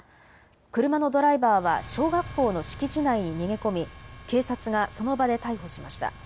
車のドライバーは小学校の敷地内に逃げ込み警察がその場で逮捕しました。